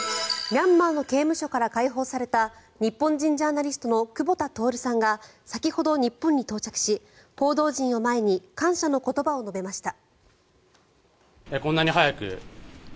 ミャンマーの刑務所から解放された日本人ジャーナリストの久保田徹さんが先ほど、日本に到着し報道陣を前に感謝の言葉を述べました。